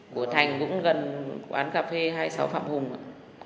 của thành cũng gần quán cà phê hai mươi sáu phạm hùng